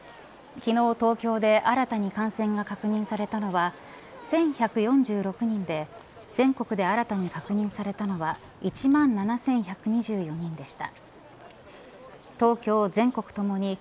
昨日東京で新たに感染が確認されたのは１１４６人で全国で新たに確認されたのは１万７１２４人でした。